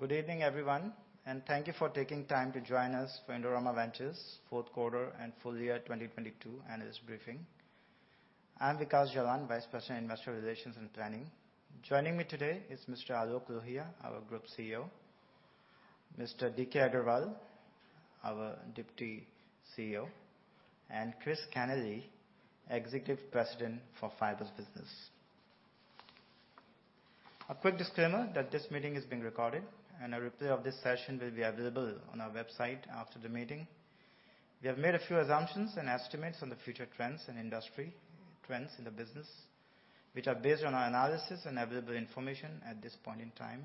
Good evening, everyone. Thank you for taking time to join us for Indorama Ventures fourth quarter and full year 2022 analyst briefing. I'm Vikash Jalan, Vice President, Investor Relations and Planning. Joining me today is Mr. Aloke Lohia, our Group CEO, Mr. DK Agarwal, our Deputy CEO, and Christopher Kenneally, Executive President for Fibers Business. A quick disclaimer that this meeting is being recorded. A replay of this session will be available on our website after the meeting. We have made a few assumptions and estimates on the future trends in industry, trends in the business, which are based on our analysis and available information at this point in time.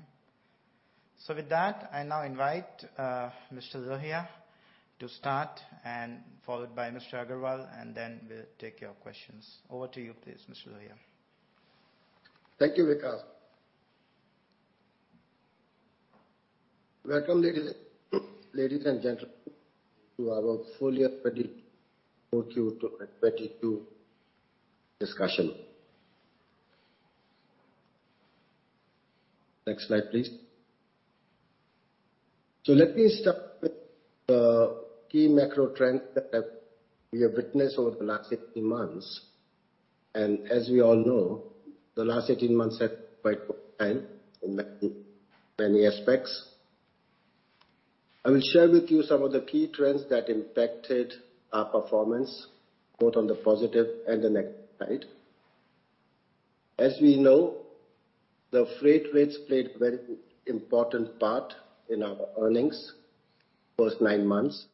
With that, I now invite Mr. Lohia to start and followed by Mr. Agarwal. Then we'll take your questions. Over to you, please, Mr. Lohia. Thank you, Vikash. Welcome, ladies and gentle to our full year 42 discussion. Next slide, please. Let me start with the key macro trends that we have witnessed over the last 18 months. As we all know, the last 18 months have many aspects. I will share with you some of the key trends that impacted our performance, both on the positive and the negative side. As we know, the freight rates played very important part in our earnings first nine months,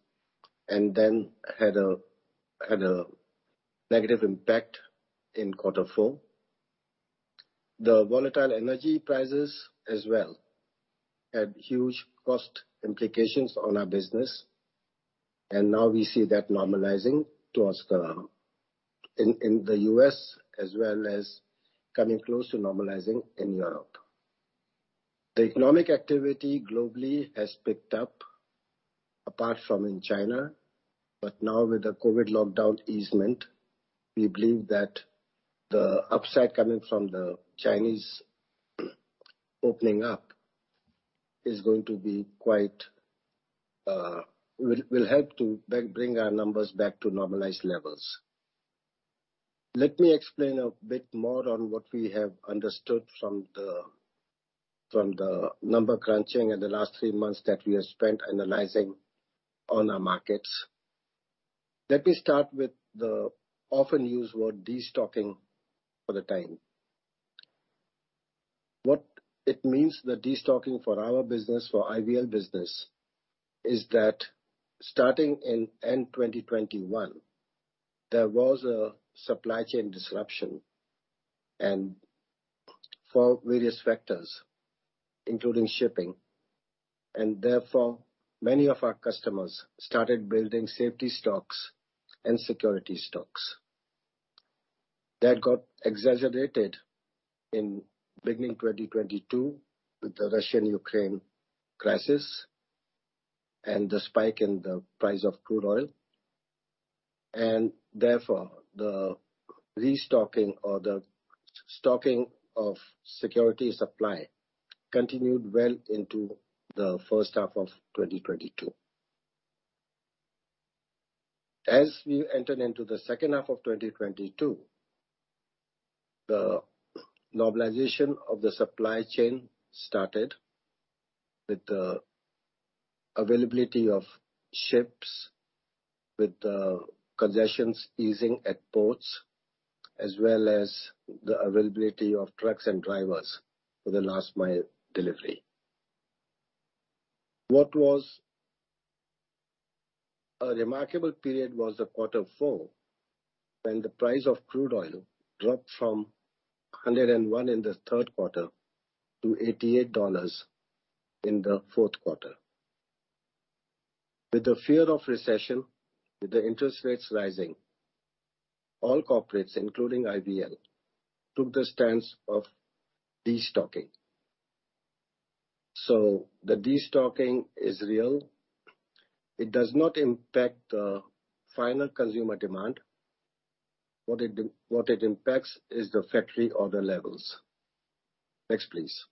and then had a negative impact in quarter four. The volatile energy prices as well had huge cost implications on our business, and now we see that normalizing towards the... In the U.S. as well as coming close to normalizing in Europe. The economic activity globally has picked up apart from in China. Now with the COVID lockdown easement, we believe that the upside coming from the Chinese opening up will help to bring our numbers back to normalized levels. Let me explain a bit more on what we have understood from the number crunching in the last three months that we have spent analyzing on our markets. Let me start with the often used word, destocking, for the time. What it means, the destocking for our business, for IVL business, is that starting in end 2021, there was a supply chain disruption. For various factors, including shipping, and therefore, many of our customers started building safety stocks and security stocks. That got exaggerated in beginning 2022 with the Russian-Ukraine crisis and the spike in the price of crude oil. Therefore, the restocking or the stocking of security supply continued well into the first half of 2022. As we entered into the second half of 2022, the normalization of the supply chain started with the availability of ships, with the congestions easing at ports, as well as the availability of trucks and drivers for the last mile delivery. What was a remarkable period was the quarter four, when the price of crude oil dropped from 101 in the third quarter to $88 in the fourth quarter. With the fear of recession, with the interest rates rising, all corporates, including IVL, took the stance of destocking. The destocking is real. It does not impact the final consumer demand. What it impacts is the factory order levels. Next, please.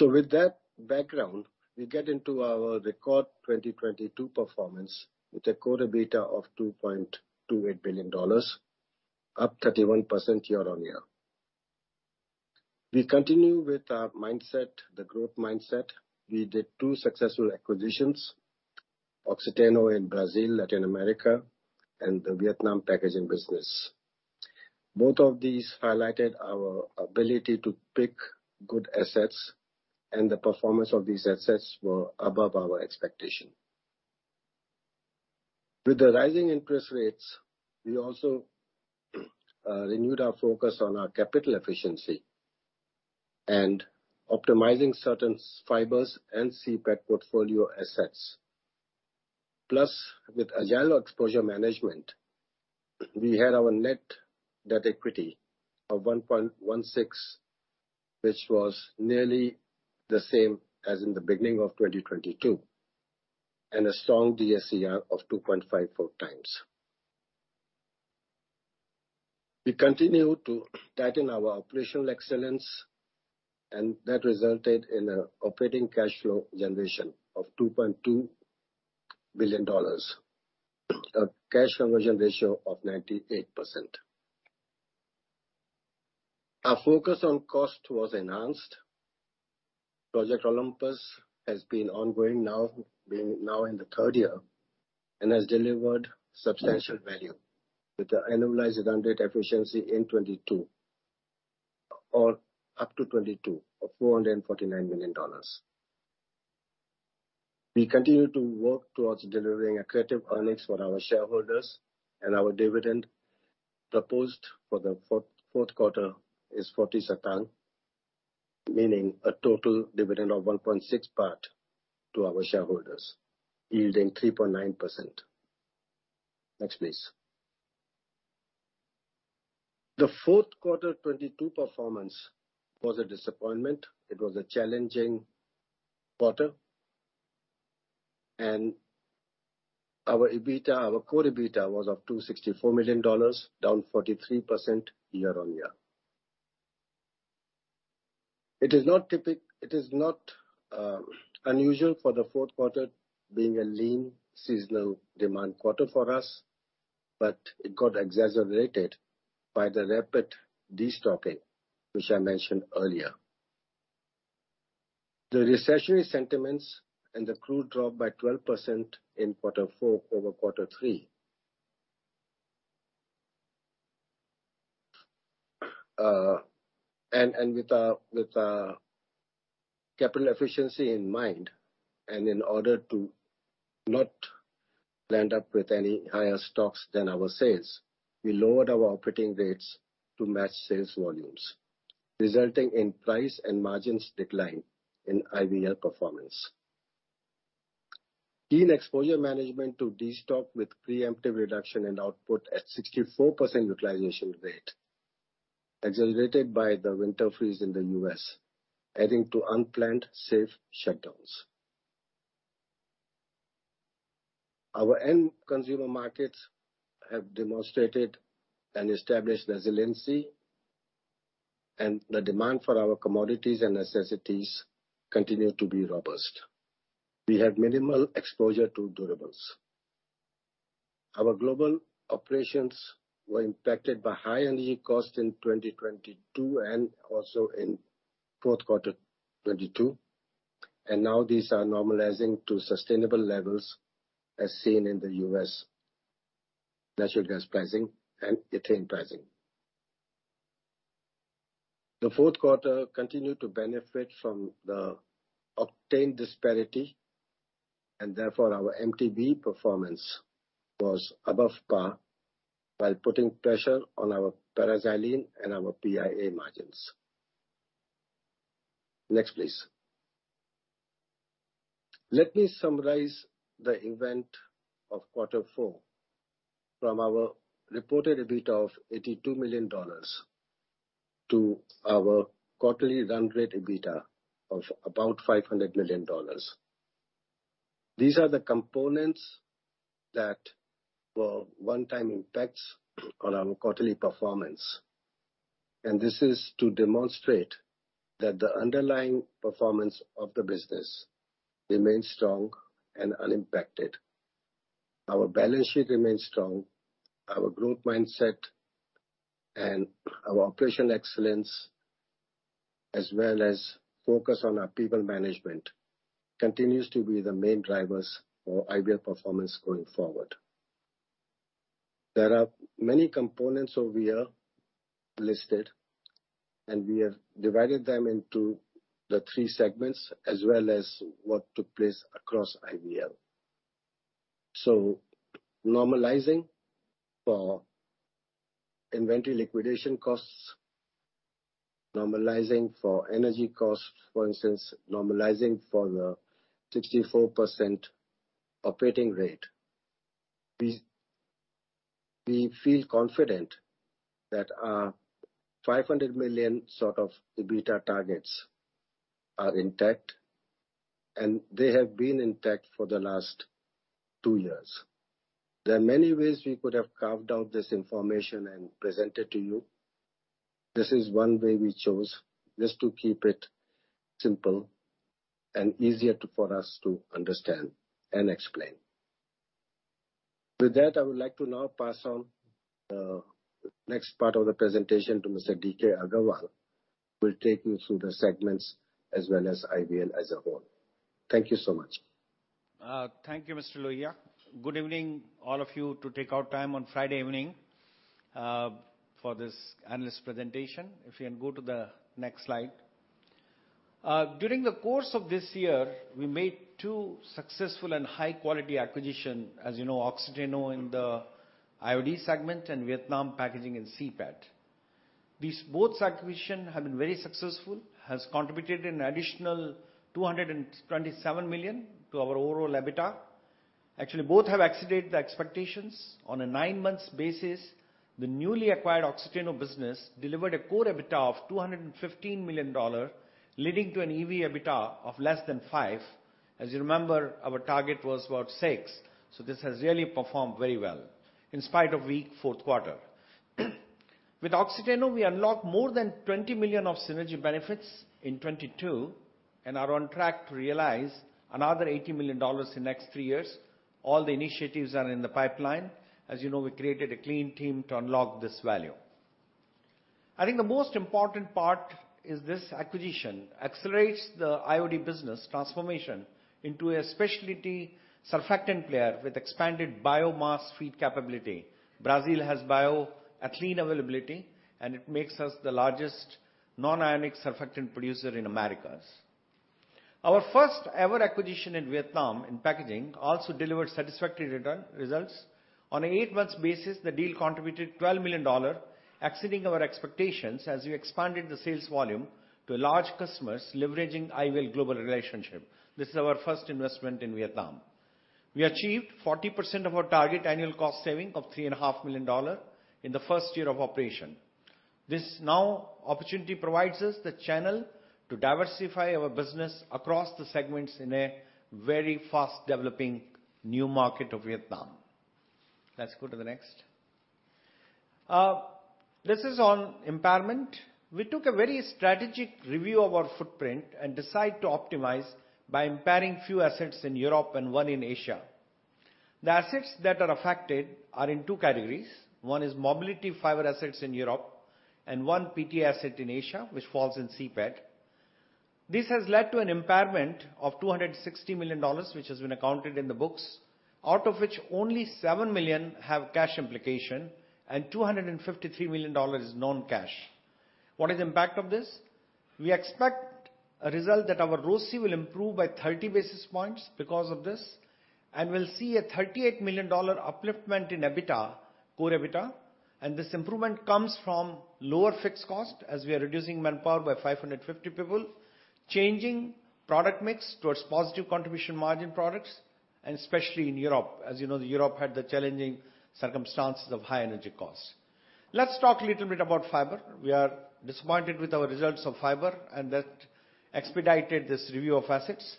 With that background, we get into our record 2022 performance with a core EBITDA of $2.28 billion, up 31% year-over-year. We continue with our mindset, the growth mindset. We did two successful acquisitions, Oxiteno in Brazil, Latin America, and the Vietnam packaging business. Both of these highlighted our ability to pick good assets, and the performance of these assets were above our expectation. With the rising interest rates, we also renewed our focus on our capital efficiency and optimizing certain fibers and CPAC portfolio assets. Plus, with agile exposure management, we had our net debt equity of 1.16, which was nearly the same as in the beginning of 2022. A strong DSCR of 2.54x. We continue to tighten our operational excellence, that resulted in a operating cash flow generation of $2.2 billion. A cash conversion ratio of 98%. Our focus on cost was enhanced. Project Olympus has been ongoing now, being now in the third year, and has delivered substantial value with the annualized run rate efficiency in 2022 or up to 2022 of $449 million. We continue to work towards delivering accretive earnings for our shareholders, our dividend proposed for the fourth quarter is 40 satang, meaning a total dividend of 1.6 baht to our shareholders, yielding 3.9%. Next, please. The fourth quarter 2022 performance was a disappointment. It was a challenging quarter. Our EBITDA, our core EBITDA was of $264 million, down 43% year-on-year. It is not unusual for the fourth quarter being a lean seasonal demand quarter for us. It got exaggerated by the rapid destocking, which I mentioned earlier. The recessionary sentiments and the crude drop by 12% in quarter four over quarter three. With capital efficiency in mind, and in order to not land up with any higher stocks than our sales, we lowered our operating rates to match sales volumes, resulting in price and margins decline in IVL performance. Lean exposure management to destock with preemptive reduction in output at 64% utilization rate, accelerated by the winter freeze in the U.S., adding to unplanned safe shutdowns. Our end consumer markets have demonstrated an established resiliency. The demand for our commodities and necessities continue to be robust. We have minimal exposure to durables. Our global operations were impacted by high energy costs in 2022 and also in fourth quarter 2022. Now these are normalizing to sustainable levels as seen in the U.S. natural gas pricing and ethane pricing. The fourth quarter continued to benefit from the octane disparity. Therefore our MTBE performance was above par while putting pressure on our paraxylene and our PIA margins. Next, please. Let me summarize the event of quarter four from our reported EBITDA of $82 million to our quarterly run rate EBITDA of about $500 million. These are the components that were one-time impacts on our quarterly performance. This is to demonstrate that the underlying performance of the business remains strong and unimpacted. Our balance sheet remains strong. Our growth mindset and our operational excellence, as well as focus on our people management continues to be the main drivers for IVL performance going forward. There are many components over here listed, and we have divided them into the three segments as well as what took place across IVL. Normalizing for inventory liquidation costs, normalizing for energy costs, for instance, normalizing for the 64% operating rate, we feel confident that our $500 million sort of EBITDA targets are intact, and they have been intact for the last two years. There are many ways we could have carved out this information and present it to you. This is one way we chose, just to keep it simple and easier to, for us to understand and explain. With that, I would like to now pass on next part of the presentation to Mr. DK Agarwal who will take you through the segments as well as IVL as a whole. Thank you so much. Thank you, Mr. Lohia. Good evening, all of you, to take out time on Friday evening for this analyst presentation. If you can go to the next slide. During the course of this year, we made two successful and high-quality acquisition, as you know, Oxiteno in the IOD segment and Vietnam Packaging in CPET. These both acquisition have been very successful, has contributed an additional $227 million to our overall EBITDA. Actually, both have exceeded the expectations. On a nine months basis, the newly acquired Oxiteno business delivered a core EBITDA of $215 million, leading to an EBITDA of less than 5. As you remember, our target was about 6, this has really performed very well in spite of weak fourth quarter. With Oxiteno, we unlocked more than $20 million of synergy benefits in 2022 and are on track to realize another $80 million in next three years. All the initiatives are in the pipeline. As you know, we created a clean team to unlock this value. I think the most important part is this acquisition accelerates the IOD business transformation into a specialty surfactant player with expanded biomass feed capability. Brazil has bio-ethylene availability, it makes us the largest nonionic surfactant producer in Americas. Our first ever acquisition in Vietnam in packaging also delivered satisfactory results. On an eight months basis, the deal contributed $12 million, exceeding our expectations as we expanded the sales volume to large customers leveraging IVL global relationship. This is our first investment in Vietnam. We achieved 40% of our target annual cost saving of $3.5 million in the first year of operation. This now opportunity provides us the channel to diversify our business across the segments in a very fast developing new market of Vietnam. Let's go to the next. This is on impairment. We took a very strategic review of our footprint and decide to optimize by impairing few assets in Europe and one in Asia. The assets that are affected are in two categories. One is mobility fiber assets in Europe and one PTA asset in Asia, which falls in CPET. This has led to an impairment of $260 million, which has been accounted in the books, out of which only $7 million have cash implication and $253 million is non-cash. What is impact of this? We expect a result that our ROCE will improve by 30 basis points because of this, and we'll see a $38 million upliftment in EBITDA, core EBITDA. This improvement comes from lower fixed cost as we are reducing manpower by 550 people, changing product mix towards positive contribution margin products, especially in Europe. As you know, Europe had the challenging circumstances of high energy costs. Let's talk a little bit about fiber. We are disappointed with our results of fiber and that expedited this review of assets.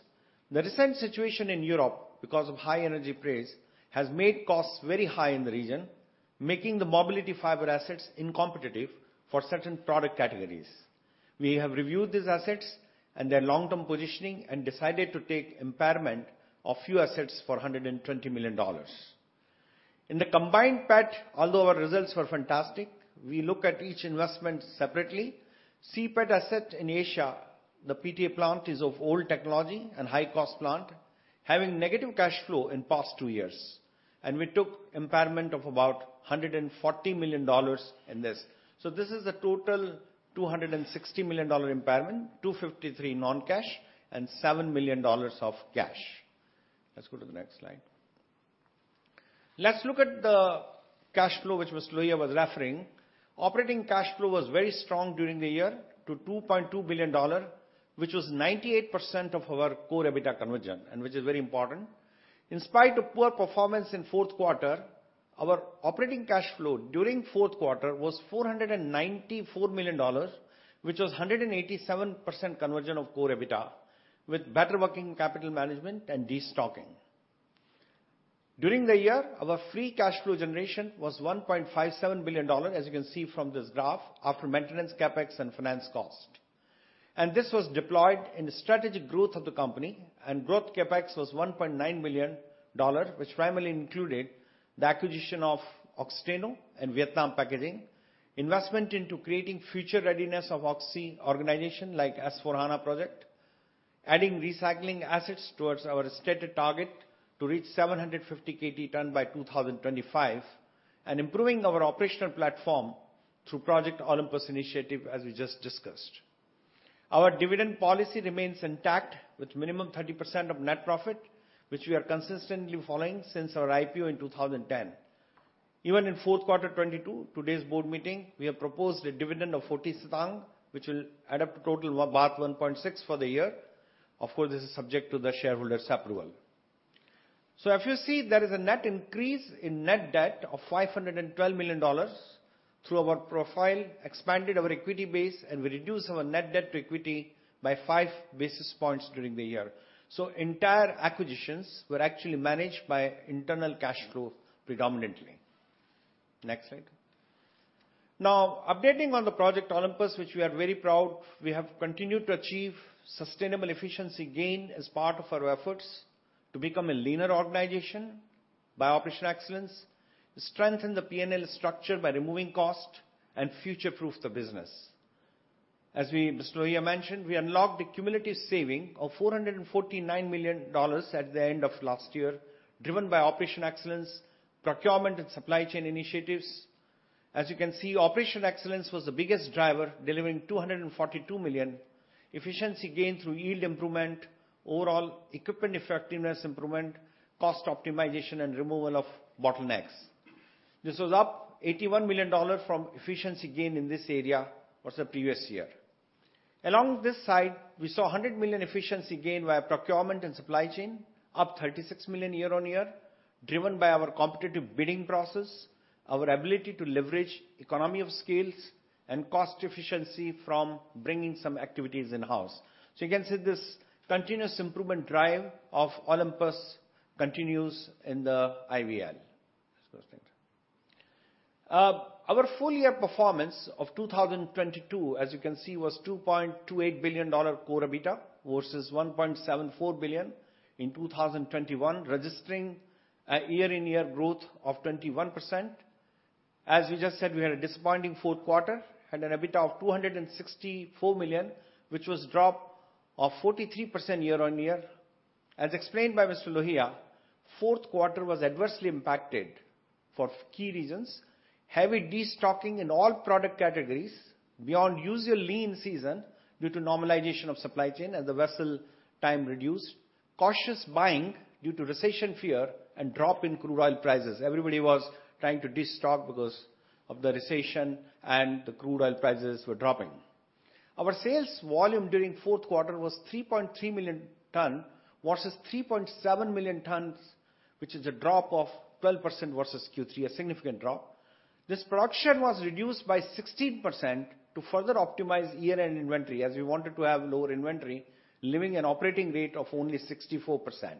The recent situation in Europe, because of high energy price, has made costs very high in the region, making the mobility fiber assets incompetitive for certain product categories. We have reviewed these assets and their long-term positioning and decided to take impairment of few assets for $120 million. In the combined PET, although our results were fantastic, we look at each investment separately. CPET asset in Asia, the PTA plant is of old technology and high-cost plant, having negative cash flow in past 2 years, and we took impairment of about $140 million in this. This is a total $260 million impairment, $253 non-cash and $7 million of cash. Let's go to the next slide. Let's look at the cash flow which Mr. Lohia was referring. Operating cash flow was very strong during the year to $2.2 billion, which was 98% of our core EBITDA conversion and which is very important. In spite of poor performance in fourth quarter, our operating cash flow during fourth quarter was $494 million, which was 187% conversion of core EBITDA with better working capital management and destocking. During the year, our free cash flow generation was $1.57 billion, as you can see from this graph, after maintenance CapEx and finance cost. This was deployed in the strategic growth of the company and growth CapEx was $1.9 billion, which primarily included the acquisition of Oxiteno and Vietnam Packaging, investment into creating future readiness of IOD organization like S/4HANA project, adding recycling assets towards our stated target to reach 750 KT ton by 2025, and improving our operational platform through Project Olympus initiative, as we just discussed. Our dividend policy remains intact with minimum 30% of net profit, which we are consistently following since our IPO in 2010. Even in fourth quarter 2022, today's board meeting, we have proposed a dividend of 40 satang, which will add up to total 1.6 for the year. Of course, this is subject to the shareholders' approval. If you see, there is a net increase in net debt of $512 million through our profile, expanded our equity base, and we reduced our net debt to equity by 5 basis points during the year. Entire acquisitions were actually managed by internal cash flow predominantly. Next slide. Updating on the Project Olympus, which we are very proud. We have continued to achieve sustainable efficiency gain as part of our efforts to become a leaner organization by operational excellence, strengthen the P&L structure by removing cost and future-proof the business. As Mr. Lohiya mentioned, we unlocked a cumulative saving of $449 million at the end of last year, driven by operational excellence, procurement and supply chain initiatives. As you can see, operational excellence was the biggest driver, delivering $242 million efficiency gain through yield improvement, overall equipment effectiveness improvement, cost optimization and removal of bottlenecks. This was up $81 million from efficiency gain in this area versus the previous year. Along this side, we saw $100 million efficiency gain via procurement and supply chain, up $36 million year-on-year, driven by our competitive bidding process, our ability to leverage economy of scales, and cost efficiency from bringing some activities in-house. You can see this continuous improvement drive of Olympus continues in the IVL. Let's go to the next. Our full year performance of 2022, as you can see, was $2.28 billion core EBITDA versus $1.74 billion in 2021, registering a year-on-year growth of 21%. As we just said, we had a disappointing fourth quarter and an EBITDA of $264 million, which was drop of 43% year-on-year. As explained by Mr. Lohia, fourth quarter was adversely impacted for key reasons: heavy destocking in all product categories beyond usual lean season due to normalization of supply chain and the vessel time reduced, cautious buying due to recession fear and drop in crude oil prices. Everybody was trying to destock because of the recession and the crude oil prices were dropping. Our sales volume during fourth quarter was 3.3 million ton versus 3.7 million tons, which is a drop of 12% versus Q3, a significant drop. This production was reduced by 16% to further optimize year-end inventory, as we wanted to have lower inventory, leaving an operating rate of only 64%.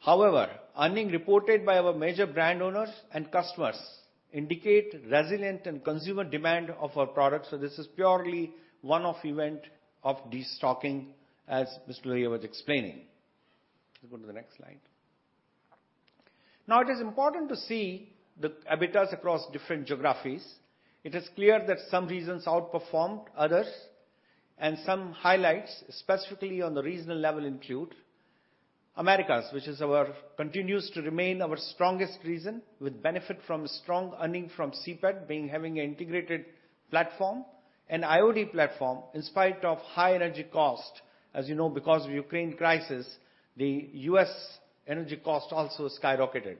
However, earning reported by our major brand owners and customers indicate resilient and consumer demand of our products. This is purely one-off event of destocking, as Mr. Lohia was explaining. Let's go to the next slide. Now it is important to see the EBITDAs across different geographies. It is clear that some regions outperformed others, some highlights, specifically on the regional level include Americas, which is our continues to remain our strongest region with benefit from strong earning from CPET being having an integrated platform, an IOD platform, in spite of high energy cost. As you know, because of Ukraine crisis, the U.S. energy cost also skyrocketed.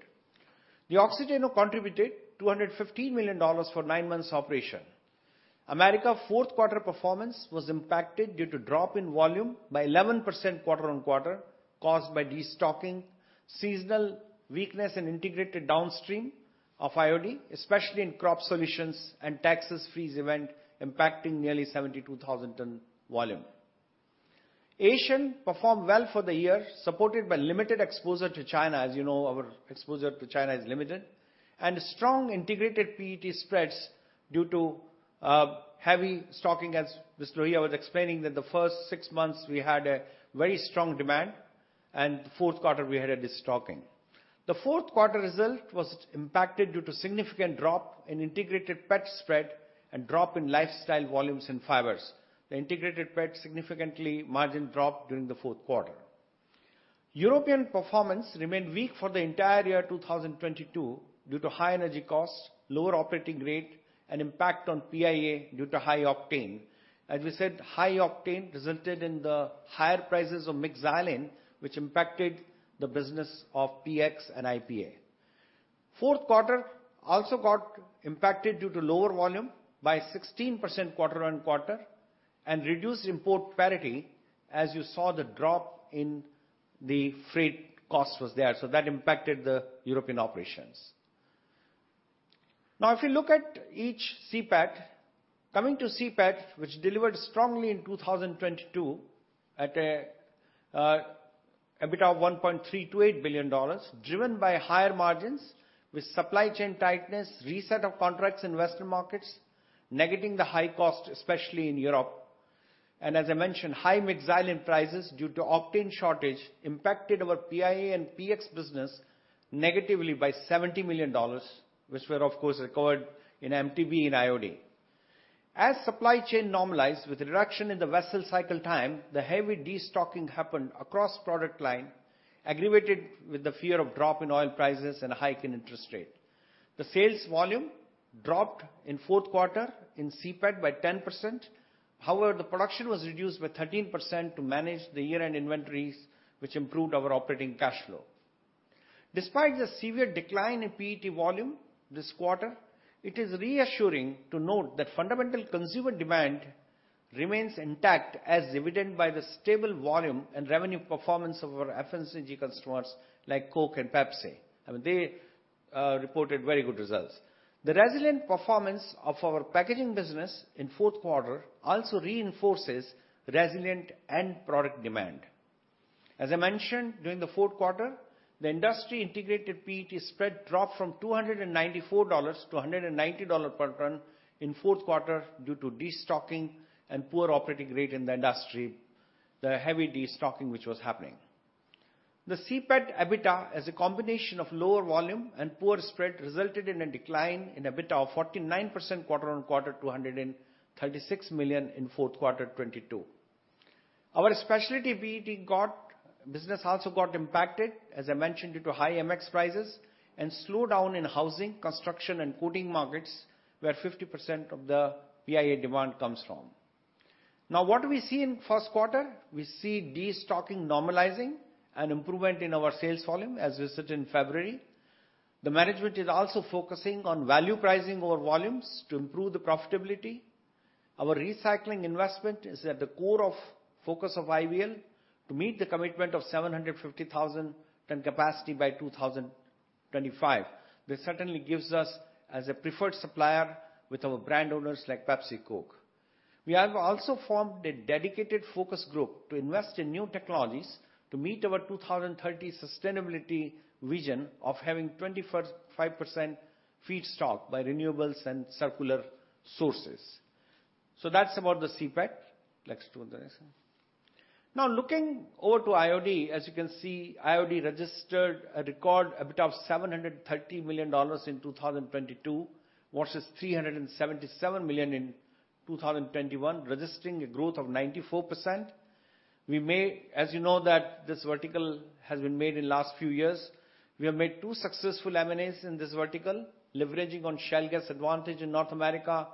Oxiteno contributed $215 million for nine months operation. America fourth quarter performance was impacted due to drop in volume by 11% quarter-on-quarter, caused by destocking, seasonal weakness in integrated downstream of IOD, especially in crop solutions and Texas freeze event impacting nearly 72,000 ton volume. Asian performed well for the year, supported by limited exposure to China. As you know, our exposure to China is limited. Strong integrated PET spreads due to heavy stocking, as Mr. Lohia was explaining that the first six months we had a very strong demand, and fourth quarter, we had a destocking. The fourth quarter result was impacted due to significant drop in integrated PET spread and drop in lifestyle volumes and fibers. The integrated PET significantly margin dropped during the fourth quarter. European performance remained weak for the entire year 2022 due to high energy costs, lower operating rate and impact on PIA due to high octane. As we said, high octane resulted in the higher prices of mixed xylene, which impacted the business of PX and PIA. Fourth quarter also got impacted due to lower volume by 16% quarter-on-quarter and reduced import parity as you saw the drop in the freight cost was there. That impacted the European operations. Now if you look at each CPET. Coming to CPET, which delivered strongly in 2022 at an EBITDA of $1.328 billion, driven by higher margins with supply chain tightness, reset of contracts in Western markets, negating the high cost, especially in Europe. As I mentioned, high mixed xylene prices due to octane shortage impacted our PIA and PX business negatively by $70 million, which were of course recovered in MTBE and IOD. As supply chain normalized with reduction in the vessel cycle time, the heavy destocking happened across product line, aggravated with the fear of drop in oil prices and a hike in interest rate. The sales volume dropped in fourth quarter in CPET by 10%. However, the production was reduced by 13% to manage the year-end inventories, which improved our operating cash flow. Despite the severe decline in PET volume this quarter, it is reassuring to note that fundamental consumer demand remains intact as evident by the stable volume and revenue performance of our FMCG customers like Coke and Pepsi. I mean, they reported very good results. The resilient performance of our packaging business in fourth quarter also reinforces resilient end product demand. As I mentioned during the fourth quarter, the industry integrated PET spread dropped from $294-$190 per ton in fourth quarter due to destocking and poor operating rate in the industry. The CPET EBITDA as a combination of lower volume and poor spread resulted in a decline in EBITDA of 49% quarter-on-quarter to $136 million in fourth quarter 2022. Our specialty PET business also got impacted, as I mentioned, due to high MX prices and slowdown in housing, construction and coating markets, where 50% of the PIA demand comes from. What do we see in first quarter? We see destocking normalizing and improvement in our sales volume, as we said in February. The management is also focusing on value pricing over volumes to improve the profitability. Our recycling investment is at the core of focus of IVL to meet the commitment of 750,000 tons capacity by 2025. This certainly gives us as a preferred supplier with our brand owners like PepsiCo. We have also formed a dedicated focus group to invest in new technologies to meet our 2030 sustainability vision of having 25% feedstock by renewables and circular sources. That's about the CPET. Let's do the next one. Looking over to IOD. As you can see, IOD registered a record EBITDA of $730 million in 2022, versus $377 million in 2021, registering a growth of 94%. As you know that this vertical has been made in last few years. We have made two successful M&As in this vertical, leveraging on shale gas advantage in North America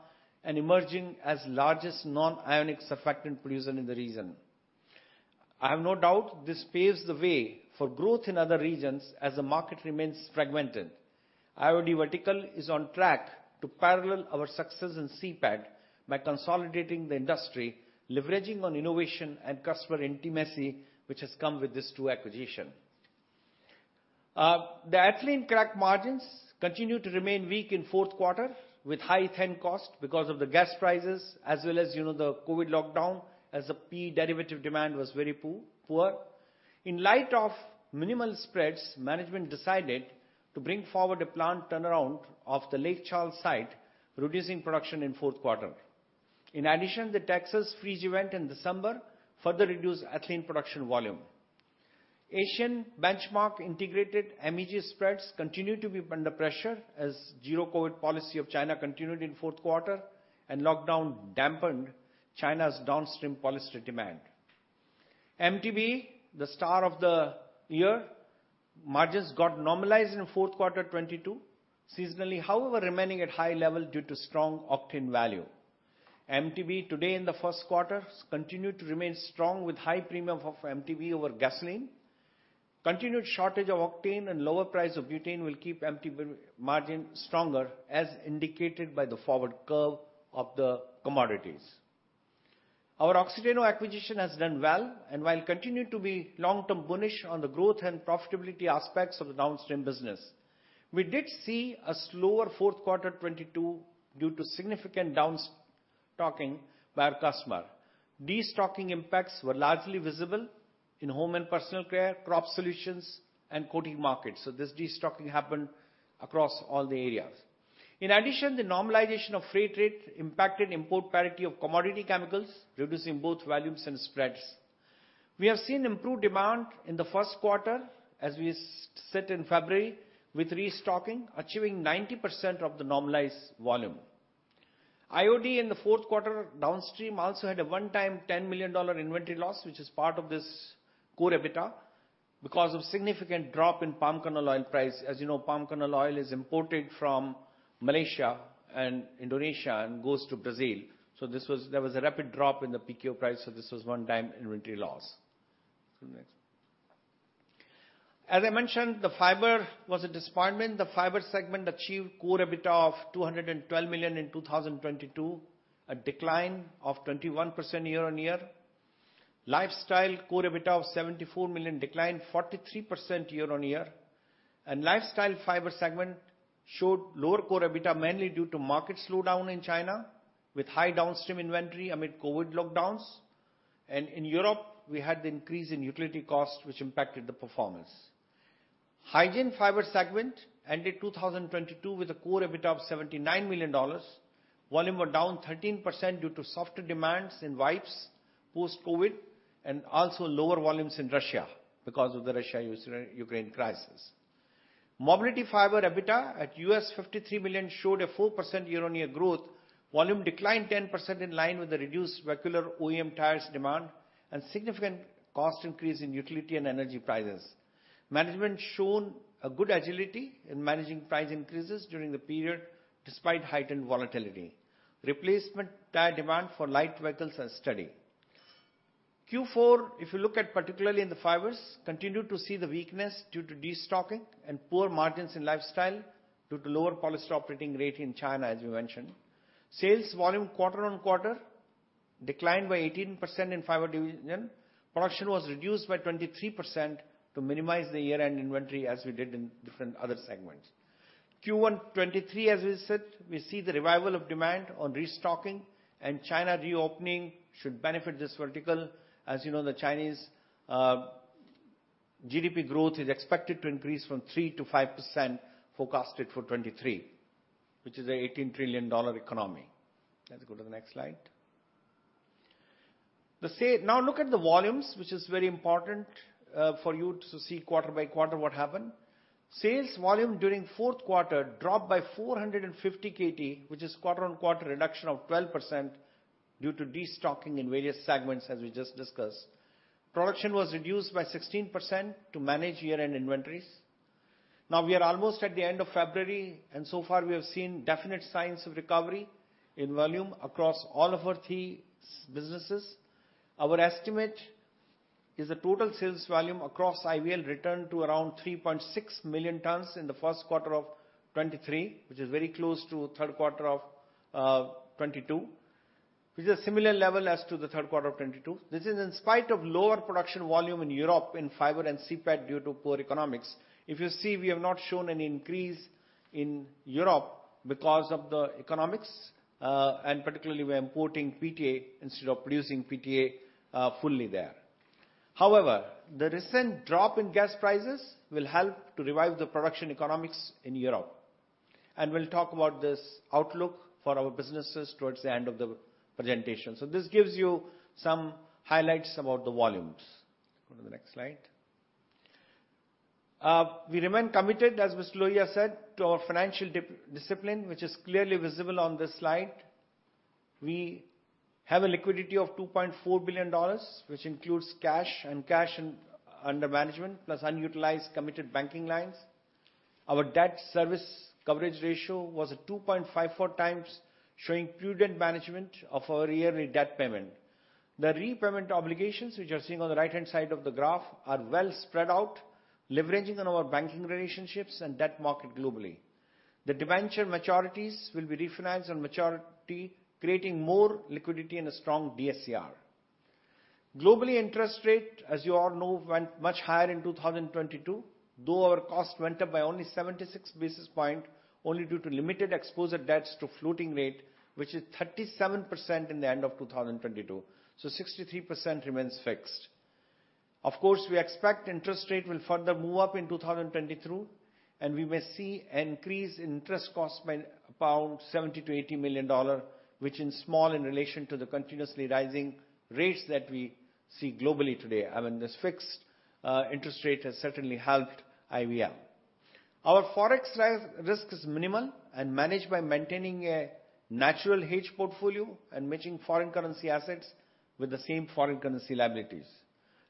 and emerging as largest nonionic surfactant producer in the region. I have no doubt this paves the way for growth in other regions as the market remains fragmented. IOD vertical is on track to parallel our success in CPET by consolidating the industry, leveraging on innovation and customer intimacy, which has come with these two acquisition. The ethylene crack margins continued to remain weak in fourth quarter, with high ethane costs because of the gas prices as well as, you know, the COVID lockdown, as the PE derivative demand was very poor. In light of minimal spreads, management decided to bring forward a plant turnaround of the Lake Charles site, reducing production in fourth quarter. In addition, the Texas freeze event in December further reduced ethylene production volume. Asian benchmark integrated MEG spreads continued to be under pressure as zero-COVID policy of China continued in fourth quarter and lockdown dampened China's downstream polyester demand. MTBE, the star of the year, margins got normalized in fourth quarter 2022. Seasonally, however, remaining at high level due to strong octane value. MTBE today in the first quarter has continued to remain strong with high premium of MTBE over gasoline. Continued shortage of octane and lower price of butane will keep MTBE margin stronger, as indicated by the forward curve of the commodities. Our Oxiteno acquisition has done well, and while continuing to be long-term bullish on the growth and profitability aspects of the downstream business, we did see a slower fourth quarter 2022 due to significant down stocking by our customer. Destocking impacts were largely visible in home and personal care, crop solutions and coating markets. This destocking happened across all the areas. In addition, the normalization of freight rate impacted import parity of commodity chemicals, reducing both volumes and spreads. We have seen improved demand in the first quarter as we sit in February with restocking, achieving 90% of the normalized volume. IOD in the fourth quarter downstream also had a one-time $10 million inventory loss, which is part of this core EBITDA because of significant drop in palm kernel oil price. As you know, palm kernel oil is imported from Malaysia and Indonesia and goes to Brazil. There was a rapid drop in the PX price, this was one-time inventory loss. Next. As I mentioned, the fiber was a disappointment. The fiber segment achieved core EBITDA of $212 million in 2022, a decline of 21% year-on-year. Lifestyle core EBITDA of $74 million, declined 43% year-on-year. Lifestyle fiber segment showed lower core EBITDA, mainly due to market slowdown in China with high downstream inventory amid COVID lockdowns. In Europe, we had the increase in utility costs, which impacted the performance. Hygiene fiber segment ended 2022 with a core EBITDA of $79 million. Volume were down 13% due to softer demands in wipes post-COVID, and also lower volumes in Russia because of the Russia-Ukraine crisis. Mobility fiber EBITDA at $53 million showed a 4% year-on-year growth. Volume declined 10% in line with the reduced vehicular OEM tires demand and significant cost increase in utility and energy prices. Management shown a good agility in managing price increases during the period despite heightened volatility. Replacement tire demand for light vehicles are steady. Q4, if you look at particularly in the fibers, continued to see the weakness due to destocking and poor margins in Lifestyle due to lower polyester operating rate in China, as we mentioned. Sales volume quarter-on-quarter declined by 18% in fiber division. Production was reduced by 23% to minimize the year-end inventory as we did in different other segments. Q1 2023, as we said, we see the revival of demand on restocking and China reopening should benefit this vertical. As you know, the Chinese GDP growth is expected to increase from 3%-5% forecasted for 2023, which is a $18 trillion economy. Let's go to the next slide. Now look at the volumes, which is very important for you to see quarter by quarter what happened. Sales volume during fourth quarter dropped by 450 KT, which is quarter-on-quarter reduction of 12% due to destocking in various segments, as we just discussed. Production was reduced by 16% to manage year-end inventories. Now we are almost at the end of February, so far we have seen definite signs of recovery in volume across all of our three businesses. Our estimate is the total sales volume across IVL returned to around 3.6 million tons in the 1st quarter of 2023, which is very close to 3rd quarter of 2022. Which is a similar level as to the 3rd quarter of 2022. This is in spite of lower production volume in Europe in fiber and CPET due to poor economics. If you see, we have not shown any increase in Europe because of the economics. Particularly, we are importing PTA instead of producing PTA fully there. However, the recent drop in gas prices will help to revive the production economics in Europe, we'll talk about this outlook for our businesses towards the end of the presentation. This gives you some highlights about the volumes. Go to the next slide. We remain committed, as Mr. Lohia said, to our financial discipline, which is clearly visible on this slide. We have a liquidity of $2.4 billion, which includes cash and cash in, under management, plus unutilized committed banking lines. Our debt service coverage ratio was at 2.54x, showing prudent management of our yearly debt payment. The repayment obligations, which you are seeing on the right-hand side of the graph, are well spread out, leveraging on our banking relationships and debt market globally. The debenture maturities will be refinanced on maturity, creating more liquidity and a strong DSCR. Globally interest rate, as you all know, went much higher in 2022, though our cost went up by only 76 basis point, only due to limited exposure debts to floating rate, which is 37% in the end of 2022. 63% remains fixed. Of course, we expect interest rate will further move up in 2023, and we may see an increase in interest cost by about $70 million-$80 million, which is small in relation to the continuously rising rates that we see globally today. I mean, this fixed interest rate has certainly helped IVL. Our forex risk is minimal and managed by maintaining a natural hedge portfolio and matching foreign currency assets with the same foreign currency liabilities.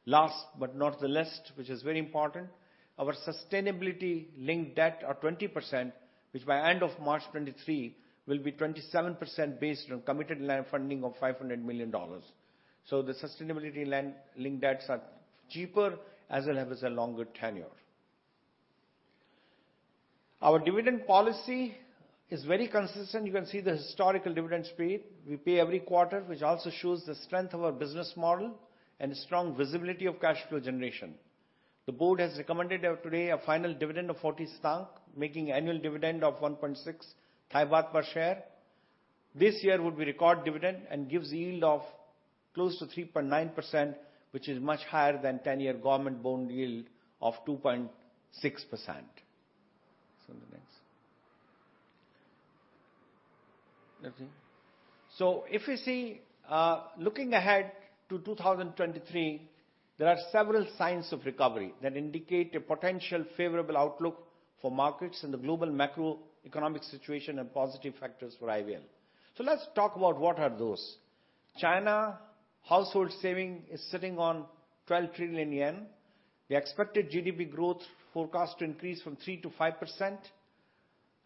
Last but not least, which is very important, our sustainability-linked debt is 20%, which by end of March 2023 will be 27% based on committed line of funding of $500 million. The sustainability-linked debts are cheaper as well as a longer tenure. Our dividend policy is very consistent. You can see the historical dividend speed we pay every quarter, which also shows the strength of our business model and strong visibility of cash flow generation. The board has recommended today a final dividend of 40 satang, making annual dividend of 1.6 Thai baht per share. This year would be record dividend and gives yield of close to 3.9%, which is much higher than 10-year government bond yield of 2.6%. The next. Nothing. If you see, looking ahead to 2023, there are several signs of recovery that indicate a potential favorable outlook for markets in the global macroeconomic situation and positive factors for IVL. Let's talk about what are those. China household saving is sitting on 12 trillion yen. The expected GDP growth forecast to increase from 3%-5%,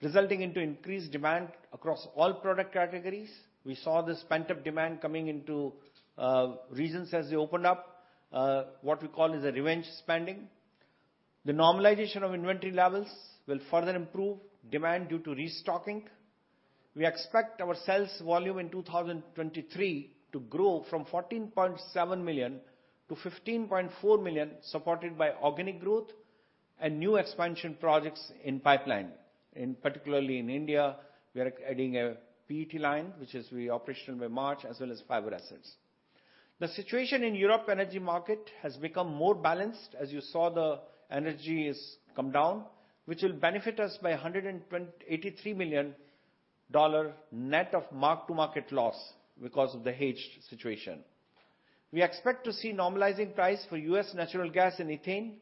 resulting into increased demand across all product categories. We saw this pent-up demand coming into regions as they opened up, what we call is a revenge spending. The normalization of inventory levels will further improve demand due to restocking. We expect our sales volume in 2023 to grow from 14.7 million- 15.4 million, supported by organic growth and new expansion projects in pipeline. Particularly in India, we are adding a PET line, which is be operational by March, as well as fiber assets. The situation in Europe energy market has become more balanced. As you saw, the energy has come down, which will benefit us by $83 million net of mark-to-market loss because of the hedged situation. We expect to see normalizing price for U.S. natural gas and ethane,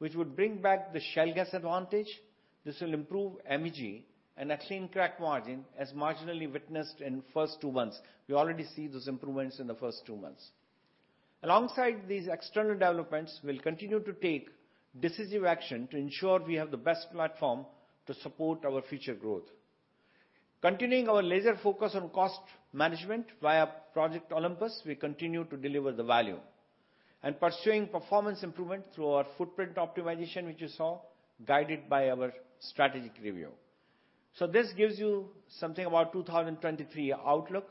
which would bring back the shale gas advantage. This will improve MEG and ethylene crack margin as marginally witnessed in first two months. We already see those improvements in the first two months. Alongside these external developments, we'll continue to take decisive action to ensure we have the best platform to support our future growth. Continuing our laser focus on cost management via Project Olympus, we continue to deliver the value. Pursuing performance improvement through our footprint optimization, which you saw, guided by our strategic review. This gives you something about 2023 outlook.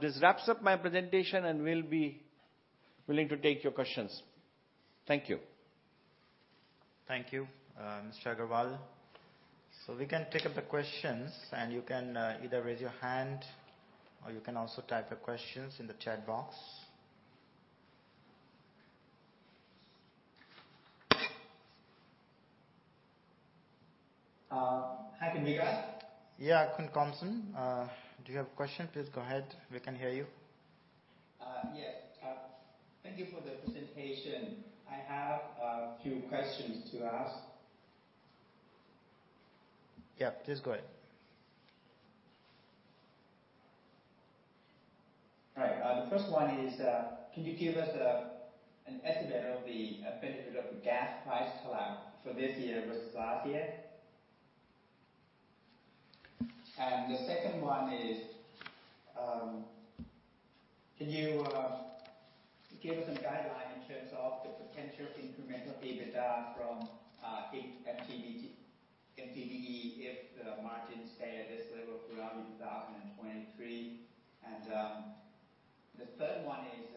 This wraps up my presentation, and we'll be willing to take your questions. Thank you. Thank you, Mr. Aggarwal. We can take up the questions, and you can, either raise your hand or you can also type your questions in the chat box. Can we go? Yeah, Khun Komsan, do you have a question? Please go ahead. We can hear you. Yes. Thank you for the presentation. I have a few questions to ask. Yeah, please go ahead. All right. The first one is, can you give us an estimate of the benefit of the gas price collapse for this year versus last year? The second one is, can you give some guideline in terms of the potential incremental EBITDA from MTBE if the margins stay at this level throughout in 2023? The third one is,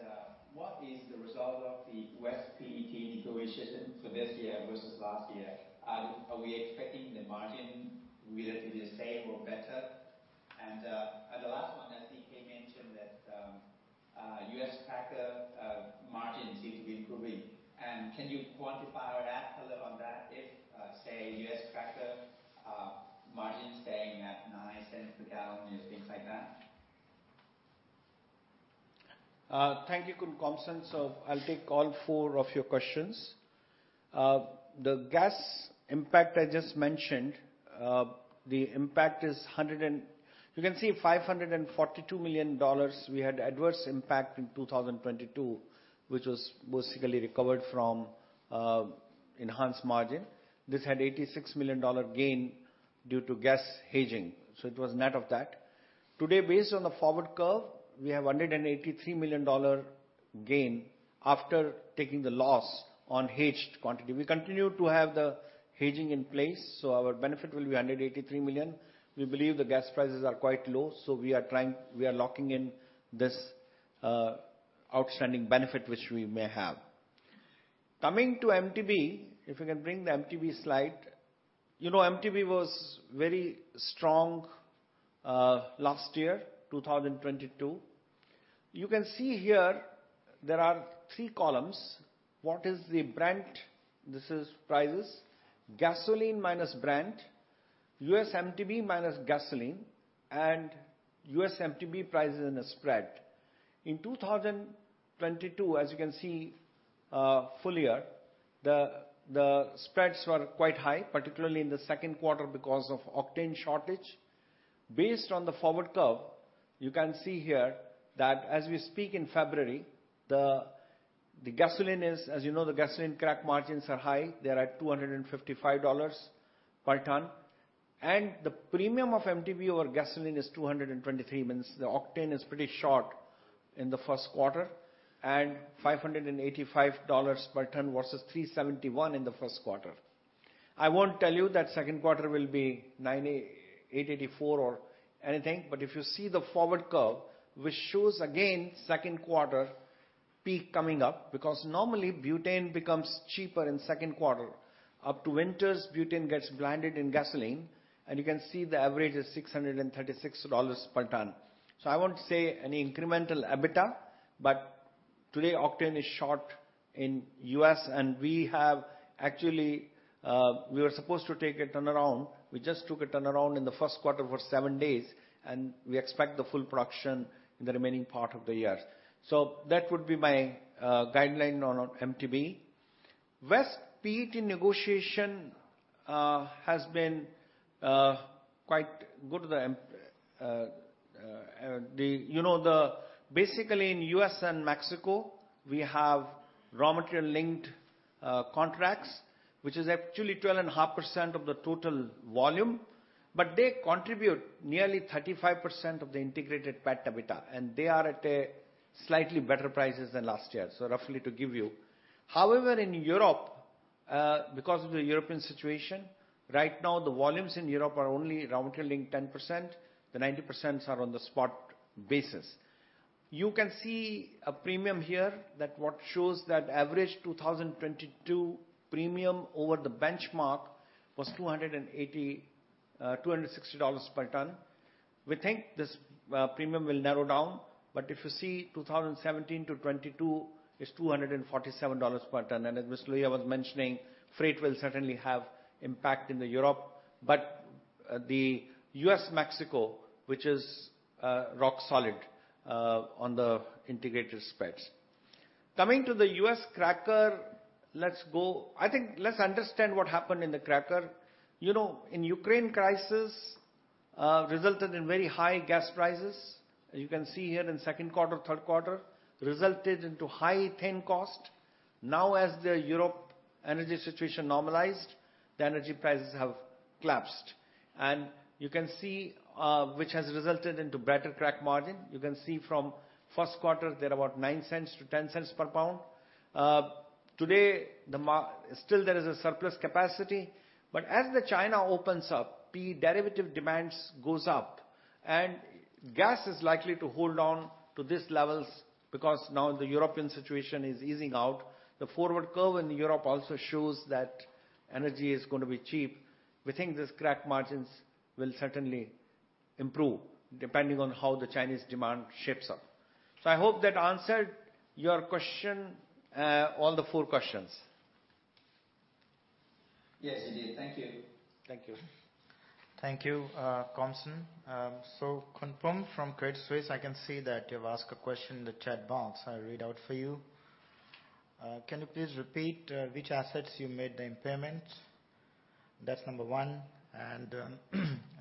what is the result of the West PET negotiation for this year versus last year? Are we expecting the margin will it be the same or better? The last one, I think you mentioned that U.S. cracker margins seem to be improving. Can you quantify or add color on that if, say, U.S. cracker margin staying at $0.09 per gallon is things like that. Thank you, Khun Komsan. I'll take all four of your questions. The gas impact I just mentioned, the impact is $542 million, we had adverse impact in 2022, which was basically recovered from enhanced margin. This had $86 million gain due to gas hedging. It was net of that. Today, based on the forward curve, we have a $183 million gain after taking the loss on hedged quantity. We continue to have the hedging in place, our benefit will be $183 million. We believe the gas prices are quite low, we are locking in this outstanding benefit which we may have. Coming to MTBE, if we can bring the MTBE slide. You know, MTBE was very strong last year, 2022. You can see here there are three columns. What is the Brent? This is prices. Gasoline minus Brent, US MTBE minus gasoline, and US MTBE prices in a spread. In 2022, as you can see, full year, the spreads were quite high, particularly in the second quarter because of octane shortage. Based on the forward curve, you can see here that as we speak in February, the gasoline is. As you know, the gasoline crack margins are high. They are at $255 per ton. The premium of MTBE over gasoline is $223 means the octane is pretty short in the first quarter, and $585 per ton versus $371 in the first quarter. I won't tell you that second quarter will be $884 or anything. If you see the forward curve, which shows again second quarter peak coming up, because normally butane becomes cheaper in second quarter. Up to winters, butane gets blended in gasoline, and you can see the average is $636 per ton. I won't say any incremental EBITDA, but today octane is short in U.S. and we have actually, we were supposed to take a turnaround. We just took a turnaround in the first quarter for seven days, and we expect the full production in the remaining part of the year. That would be my guideline on MTBE. West PET negotiation has been quite good. You know, basically in U.S. and Mexico, we have raw material linked contracts, which is actually 12.5% of the total volume, but they contribute nearly 35% of the integrated PET EBITDA, and they are at a slightly better prices than last year. Roughly to give you. However, in Europe, because of the European situation, right now the volumes in Europe are only raw material linked 10%. The 90% are on the spot basis. You can see a premium here that what shows that average 2022 premium over the benchmark was $280, $260 per ton. We think this premium will narrow down, but if you see 2017-2022, it's $247 per ton. As Mr. Leong was mentioning, freight will certainly have impact in the Europe, the US-Mexico, which is rock solid on the integrated spreads. Coming to the U.S. Cracker, let's go. I think let's understand what happened in the cracker. You know, in Ukraine crisis resulted in very high gas prices. You can see here in second quarter, third quarter, resulted into high ethane cost. As the Europe energy situation normalized, the energy prices have collapsed. You can see, which has resulted into better crack margin. You can see from first quarter, they're about $0.09-$0.10 per pound. Today, Still there is a surplus capacity, but as the China opens up, PE derivative demands goes up, and gas is likely to hold on to these levels because now the European situation is easing out. The forward curve in Europe also shows that energy is gonna be cheap. We think this crack margins will certainly improve depending on how the Chinese demand shapes up. I hope that answered your question, all the four questions. Yes, it did. Thank you. Thank you. Thank you, Komsan. Ken Pang from Credit Suisse, I can see that you've asked a question in the chat box. I'll read out for you. Can you please repeat which assets you made the impairment? That's number one.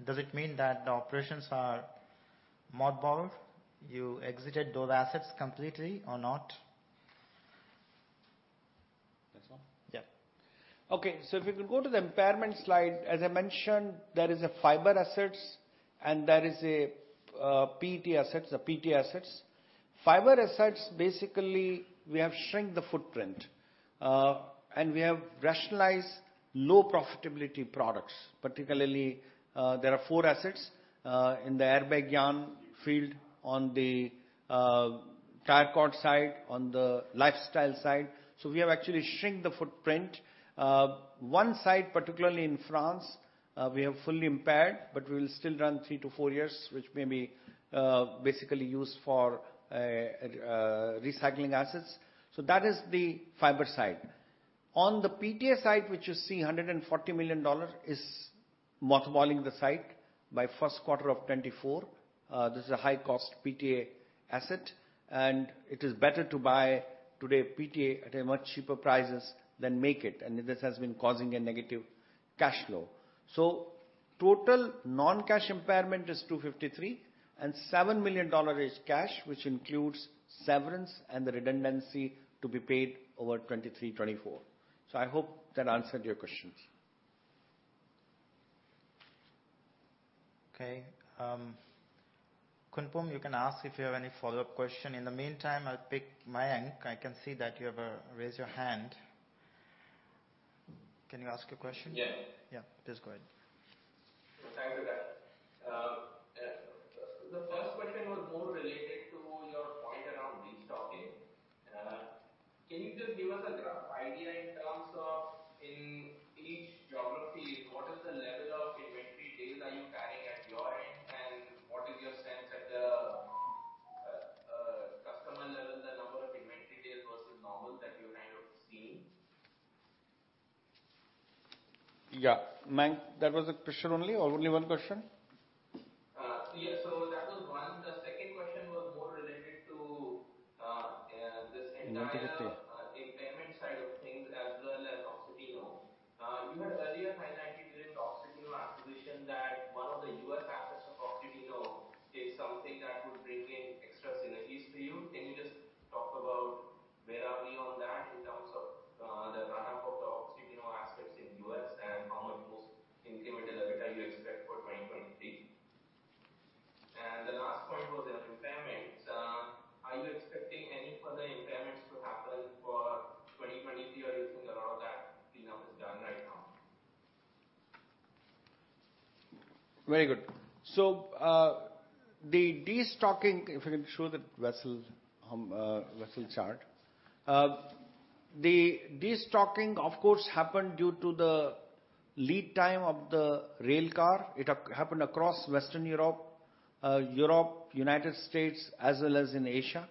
Does it mean that the operations are mothballed? You exited those assets completely or not? If you can go to the impairment slide. As I mentioned, there is fiber assets and there is PET assets or PTA assets. Fiber assets, basically, we have shrink the footprint and we have rationalized low profitability products. Particularly, there are four assets in the airbag yarn field, on the tire cord side, on the lifestyle side. We have actually shrink the footprint. One side, particularly in France, we have fully impaired, but we will still run three to four years, which may be basically used for recycling assets. That is the fiber side. On the PTA side, which you see $140 million is mothballing the site by 1st quarter of 2024. This is a high cost PTA asset, and it is better to buy today PTA at a much cheaper prices than make it. This has been causing a negative cash flow. Total non-cash impairment is $253, and $7 million is cash, which includes severance and the redundancy to be paid over 2023, 2024. I hope that answered your questions. Okay. Ken Pang, you can ask if you have any follow-up question. In the meantime, I'll pick Mayank. I can see that you have raised your hand. Can you ask your question? Yeah. Yeah. Please go ahead. Thanks for that. The first question was more related to your point around destocking. Can you just give us a rough idea in terms of in each geography, what is the level of inventory days are you carrying at your end, and what is your sense at the customer level, the number of inventory days versus normal that you might have seen? Very good. The destocking. If you can show the vessel chart. The destocking of course happened due to the lead time of the rail car. It happened across Western Europe, United States, as well as in Asia.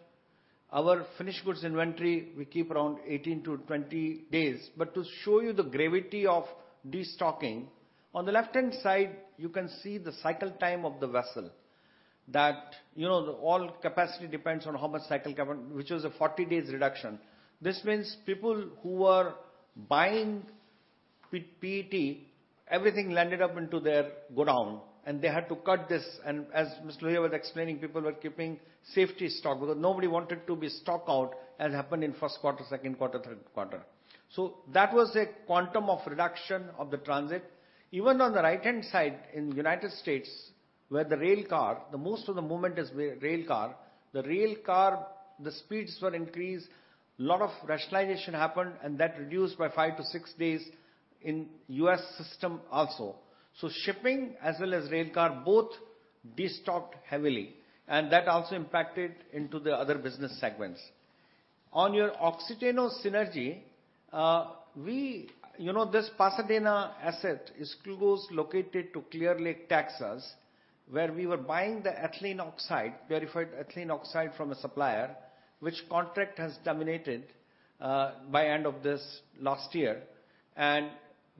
Our finished goods inventory, we keep around 18-20 days. To show you the gravity of destocking, on the left-hand side, you can see the cycle time of the vessel. That, you know, all capacity depends on how much cycle capacity, which was a 40 days reduction. This means people who were buying PET, everything landed up into their godown, and they had to cut this. As Mr. Lohia was explaining, people were keeping safety stock because nobody wanted to be stock out, as happened in first quarter, second quarter, third quarter. That was a quantum of reduction of the transit. Even on the right-hand side in the United States, where the rail car, the most of the movement is rail car. The rail car, the speeds were increased. Lot of rationalization happened, and that reduced by five to six days in U.S. system also. Shipping as well as rail car both destocked heavily, and that also impacted into the other business segments. On your Oxiteno synergy, you know, this Pasadena asset is close located to Clear Lake, Texas, where we were buying the ethylene oxide, purified ethylene oxide from a supplier, which contract has terminated by end of this last year.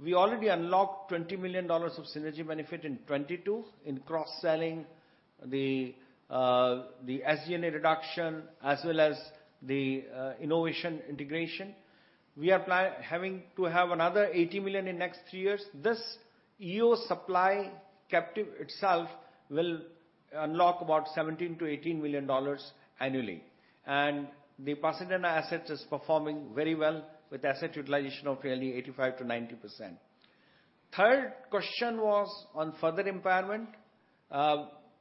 We already unlocked $20 million of synergy benefit in 2022 in cross-selling the SG&A reduction as well as the innovation integration. We are having to have another $80 million in next three years. This EO supply captive itself will unlock about $17 million-$18 million annually. The Pasadena asset is performing very well with asset utilization of nearly 85%-90%. Third question was on further impairment.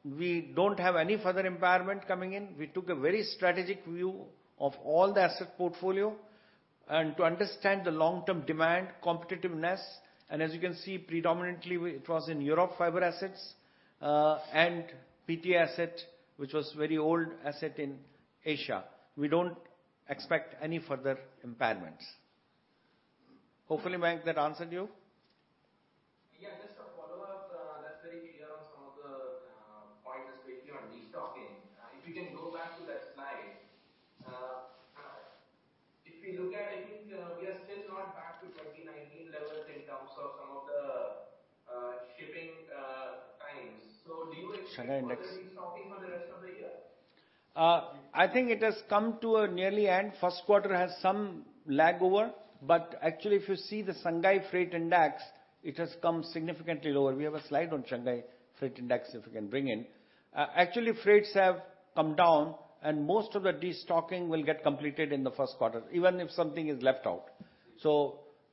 We don't have any further impairment coming in. We took a very strategic view of all the asset portfolio and to understand the long-term demand competitiveness. As you can see, predominantly it was in Europe fiber assets and PTA asset, which was very old asset in Asia. We don't expect any further impairments. Hopefully, Mayank, that answered you. Yeah, just a follow-up. That's very clear on some of the points, especially on destocking. If you can go back to that slide. If we look at it, I think, we are still not back to 2019 levels in terms of some of the shipping times. Do you expect- Shall I? further destocking for the rest of the year? I think it has come to a nearly end. First quarter has some lag over. Actually, if you see the Shanghai Freight Index, it has come significantly lower. We have a slide on Shanghai Freight Index, if we can bring in. Actually, freights have come down and most of the destocking will get completed in the first quarter, even if something is left out.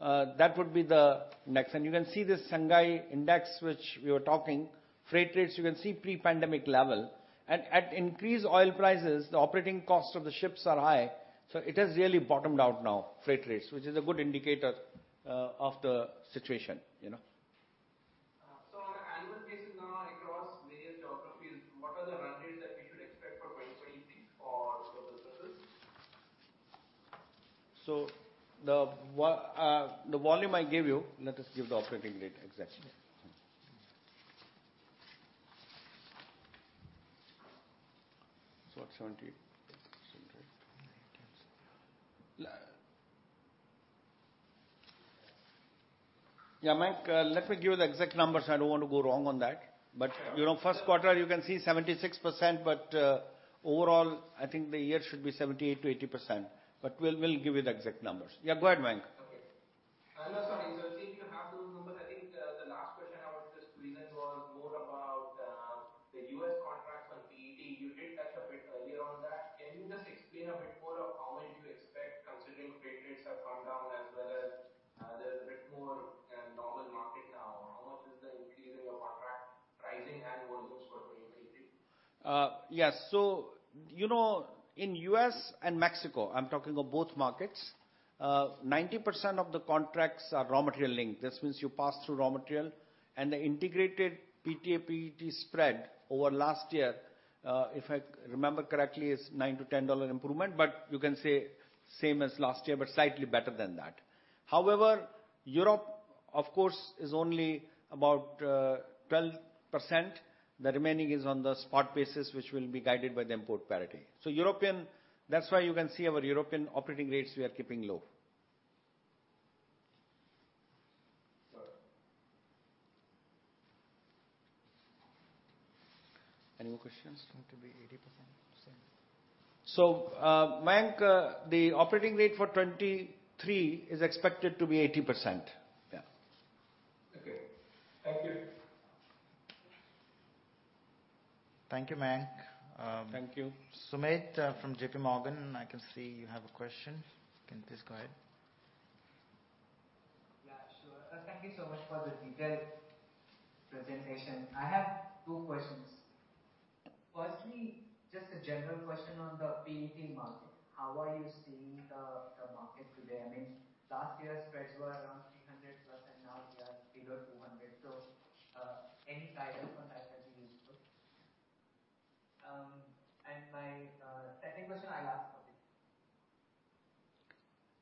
That would be the next. You can see this Shanghai index, which we were talking. Freight rates, you can see pre-pandemic level. At increased oil prices, the operating costs of the ships are high, so it has really bottomed out now, freight rates, which is a good indicator of the situation, you know. On an annual basis now across various geographies, what are the run rates that we should expect for 2023 for global business? The volume I gave you, let us give the operating rate exactly. At 70. Yeah, Mayank, let me give you the exact numbers. I don't want to go wrong on that. You know, first quarter you can see 76%, but overall, I think the year should be 78%-80%. We'll give you the exact numbers. Yeah, go ahead, Mayank. Okay. I'm not sorry. I think you have those numbers. I think the last question I would just present was more about the U.S. contracts on PET. You did touch a bit earlier on that. Can you just explain a bit more of how much you expect considering freight rates have come down as well as there's a bit more normal market now? How much is the increase in your contract pricing and volumes for 2023? Yes. You know, in U.S. and Mexico, I'm talking of both markets, 90% of the contracts are raw material linked. This means you pass through raw material and the integrated PTA, PET spread over last year, if I remember correctly, is $9-$10 improvement. You can say same as last year, but slightly better than that. Europe of course is only about 12%. The remaining is on the spot basis, which will be guided by the import parity. European, that's why you can see our European operating rates we are keeping low. Any more questions? Seem to be 80%. Mayank, the operating rate for 23 is expected to be 80%. Yeah. Okay. Thank you. Thank you, Mayank. Thank you. Sumedh from JPMorgan, I can see you have a question. You can please go ahead. Yeah, sure. First, thank you so much for the detailed presentation. I have two questions. Firstly, just a general question on the PET market. How are you seeing the market today? I mean, last year spreads were around $300+ and now we are below $200. Any guidance on that would be useful. My second question I'll ask after you.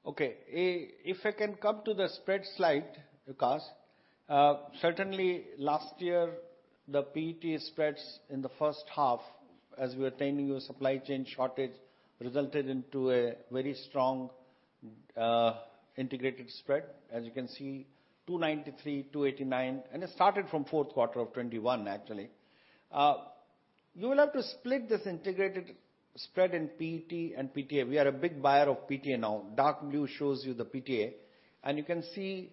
Okay. If I can come to the spread slide, Vikash. Certainly last year, the PET spreads in the first half as we were telling you, supply chain shortage resulted into a very strong integrated spread. As you can see, $293, $289. It started from fourth quarter of 2021, actually. You will have to split this integrated spread in PET and PTA. We are a big buyer of PTA now. Dark blue shows you the PTA. You can see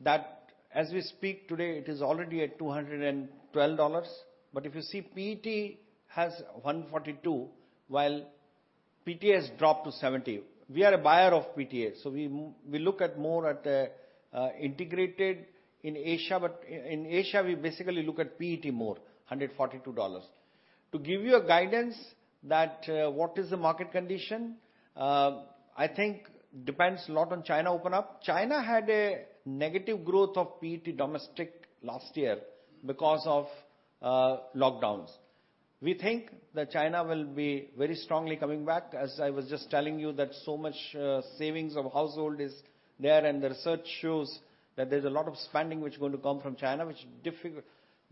that as we speak today, it is already at $212. If you see, PET has $142, while PTA has dropped to $70. We are a buyer of PTA, we look at more at integrated in Asia. In Asia, we basically look at PET more, $142. To give you a guidance that, what is the market condition, I think depends a lot on China open up. China had a negative growth of PET domestic last year because of lockdowns. We think that China will be very strongly coming back. As I was just telling you that so much savings of household is there, and the research shows that there's a lot of spending which is going to come from China, which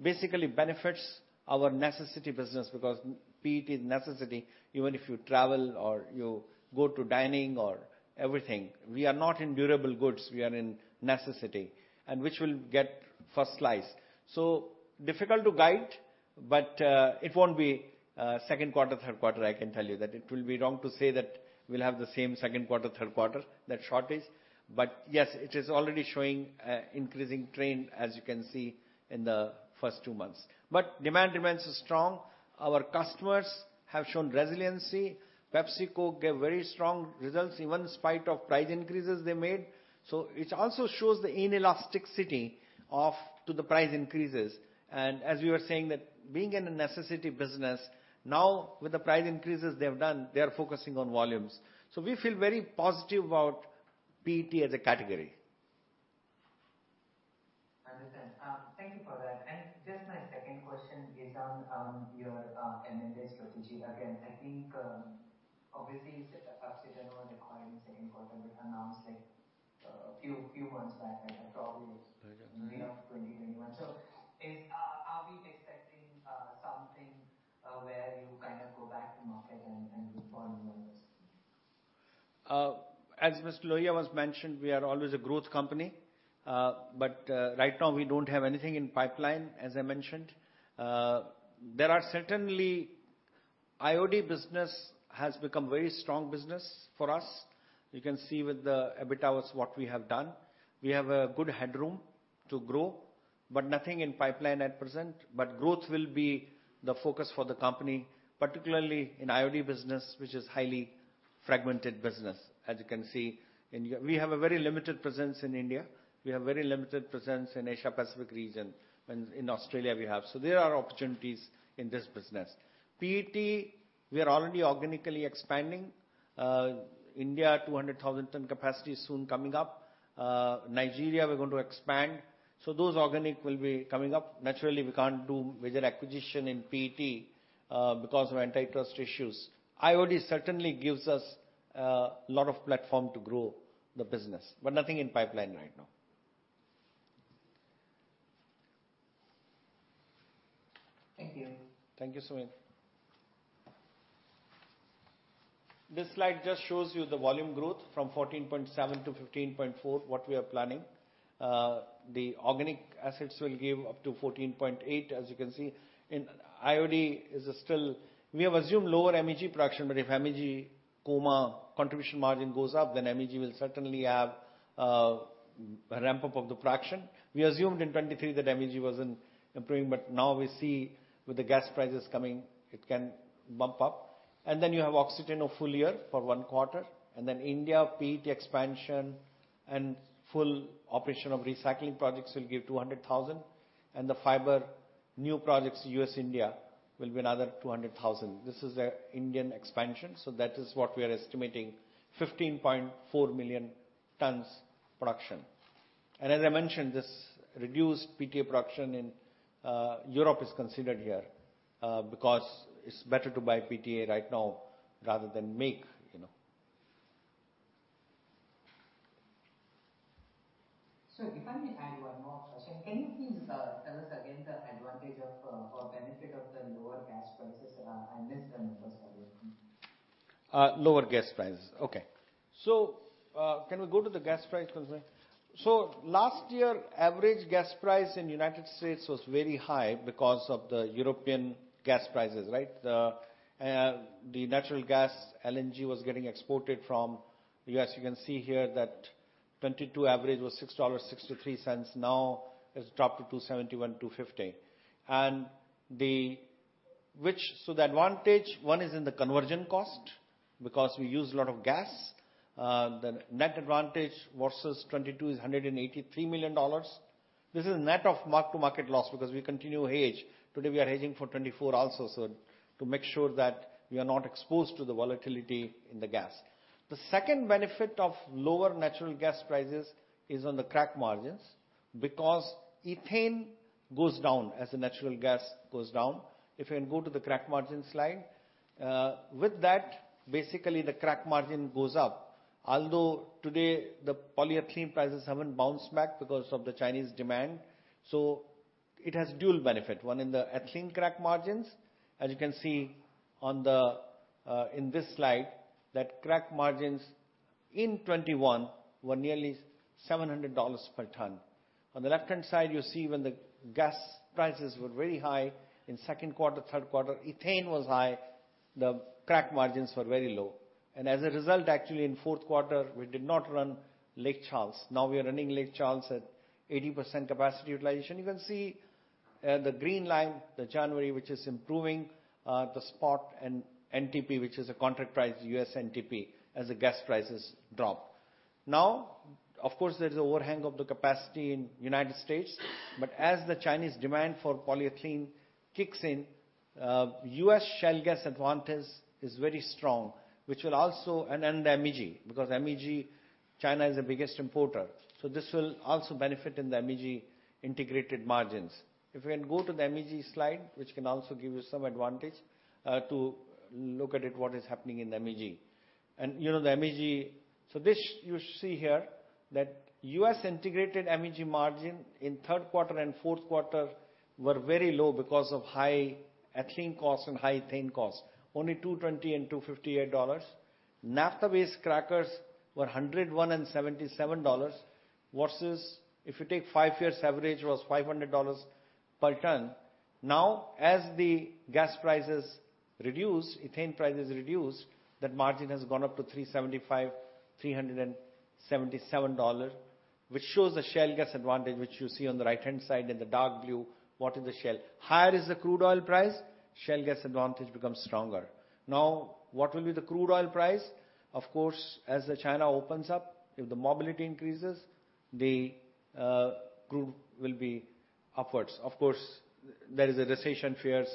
basically benefits our necessity business because PET is necessity even if you travel or you go to dining or everything. We are not in durable goods. We are in necessity, and which will get first slice. Difficult to guide, but it won't be second quarter, third quarter, I can tell you that. It will be wrong to say that we'll have the same second quarter, third quarter, that shortage. yes, it is already showing a increasing trend as you can see in the first two months. demand remains strong. Our customers have shown resiliency. PepsiCo gave very strong results, even in spite of price increases they made. it also shows the inelasticity of to the price increases. as you were saying that being in a necessity business, now with the price increases they have done, they are focusing on volumes. we feel very positive about PET as a category. Understand. Thank you for that. Just my second question based on your M&A strategy. Again, I think, obviously the subsidy that were required in second quarter were announced like a few months back, I think probably was May of 2021. Are we expecting something where you kind of go back to market and look for new business? As Mr. Lohia once mentioned, we are always a growth company. Right now we don't have anything in pipeline, as I mentioned. There are certainly IOD business has become very strong business for us. You can see with the EBITDAs what we have done. We have a good headroom to grow, nothing in pipeline at present. Growth will be the focus for the company, particularly in IOD business, which is highly fragmented business. As you can see, we have a very limited presence in India. We have very limited presence in Asia Pacific region, and in Australia we have. There are opportunities in this business. PET, we are already organically expanding, India 200,000 ton capacity soon coming up. Nigeria we're going to expand. Those organic will be coming up. Naturally, we can't do major acquisition in PET, because of antitrust issues. IOD certainly gives us a lot of platform to grow the business, but nothing in pipeline right now. Thank you. Thank you, Sumedh. This slide just shows you the volume growth from 14.7-15.4, what we are planning. The organic assets will give up to 14.8, as you can see. In IOD. We have assumed lower MEG production, but if MEG contribution margin goes up, then MEG will certainly have a ramp up of the production. We assumed in 2023 that MEG wasn't improving, but now we see with the gas prices coming, it can bump up. You have Oxiteno full year for one quarter, and then India PET expansion and full operation of recycling projects will give 200,000. The fiber new projects, U.S., India, will be another 200,000. This is an Indian expansion, so that is what we are estimating, 15.4 million tons production. As I mentioned, this reduced PTA production in Europe is considered here because it's better to buy PTA right now rather than make, you know. If I may add one more question. Can you please tell us again the advantage of or benefit of the lower gas prices? I missed them the first time. Lower gas prices. Okay. Can we go to the gas price? Mm-hmm. Last year, average gas price in United States was very high because of the European gas prices, right? The natural gas, LNG, was getting exported from U.S. You can see here that 2022 average was $6.63. Now it's dropped to $2.71, $2.50. The advantage, one is in the conversion cost because we use a lot of gas. The net advantage versus 2022 is $183 million. This is net of mark-to-market loss because we continue to hedge. Today, we are hedging for 2024 also, so to make sure that we are not exposed to the volatility in the gas. The second benefit of lower natural gas prices is on the crack margins, because ethane goes down as the natural gas goes down. If you can go to the crack margin slide. With that, basically the crack margin goes up. Although today, the polyethylene prices haven't bounced back because of the Chinese demand. It has dual benefit. One in the ethylene crack margins. As you can see on the in this slide, that crack margins in 2021 were nearly $700 per ton. On the left-hand side, you see when the gas prices were very high in second quarter, third quarter, ethane was high, the crack margins were very low. As a result, actually in fourth quarter, we did not run Lake Charles. Now we are running Lake Charles at 80% capacity utilization. You can see the green line, the January, which is improving, the spot and NTP, which is a contract price, U.S. NTP, as the gas prices drop. Now, of course, there's an overhang of the capacity in United States, but as the Chinese demand for polyethylene kicks in, U.S. shale gas advantage is very strong, which will also. The MEG, because MEG, China is the biggest importer. This will also benefit in the MEG integrated margins. If you can go to the MEG slide, which can also give you some advantage to look at it, what is happening in the MEG. You know, the MEG. This you see here that U.S. integrated MEG margin in third quarter and fourth quarter were very low because of high ethylene costs and high ethane costs. Only $220 and $258. Naphtha-based crackers were $101 and $77, versus if you take five years average was $500 per ton. As the gas prices reduce, ethane prices reduce, that margin has gone up to $375, $377, which shows the shale gas advantage, which you see on the right-hand side in the dark blue. What is the shale? Higher is the crude oil price, shale gas advantage becomes stronger. What will be the crude oil price? As China opens up, if the mobility increases, the crude will be upwards. There is a recession fear,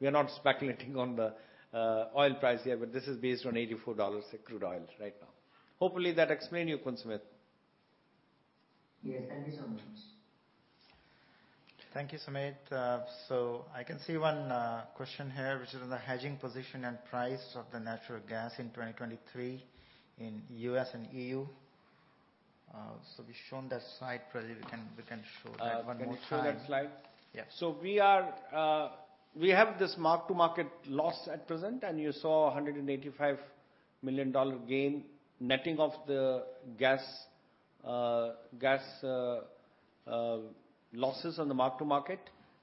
we are not speculating on the oil price here, this is based on $84 a crude oil right now. Hopefully that explained you, Sumedh. Yes. Thank you so much. Thank you, Sumedh. I can see one question here, which is on the hedging position and price of the natural gas in 2023 in U.S. and EU. We've shown that slide. Probably we can show that 1 more time. Can you show that slide? Yeah. We are, we have this mark-to-market loss at present, and you saw $185 million gain netting of the gas losses on the mark-to-market.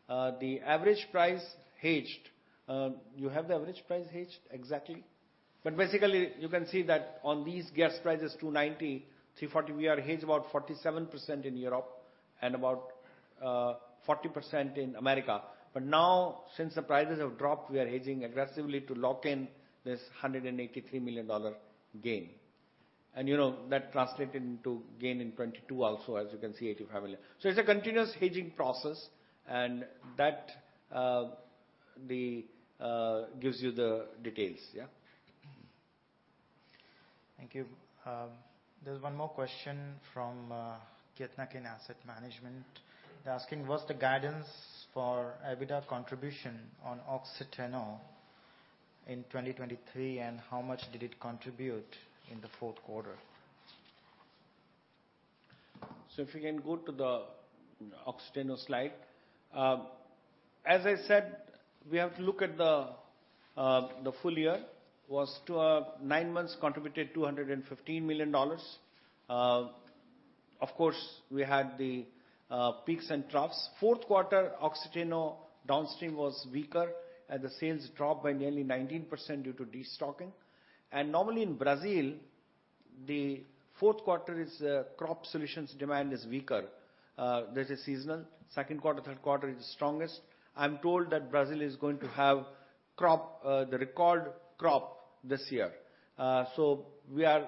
The average price hedged, you have the average price hedged exactly? Basically, you can see that on these gas prices, 290, 340, we are hedged about 47% in Europe and about 40% in America. Now, since the prices have dropped, we are hedging aggressively to lock in this $183 million gain. You know, that translated into gain in 2022 also, as you can see, $85 million. It's a continuous hedging process, and that gives you the details. Yeah. Thank you. There's one more question from Kiatnakin Asset Management. They're asking, what's the guidance for EBITDA contribution on Oxiteno in 2023, and how much did it contribute in the fourth quarter? If you can go to the Oxiteno slide. As I said, we have to look at the full year was to nine months contributed $215 million. Of course, we had the peaks and troughs. Fourth quarter, Oxiteno downstream was weaker, and the sales dropped by nearly 19% due to destocking. Normally in Brazil, the fourth quarter is crop solutions demand is weaker. This is seasonal. Second quarter, third quarter is the strongest. I'm told that Brazil is going to have crop, the record crop this year. We are,